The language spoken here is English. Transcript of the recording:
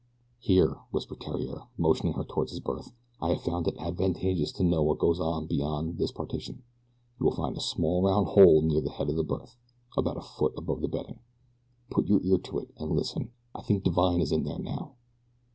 "Here," whispered Theriere, motioning her toward his berth. "I have found it advantageous to know what goes on beyond this partition. You will find a small round hole near the head of the berth, about a foot above the bedding. Put your ear to it and listen I think Divine is in there now."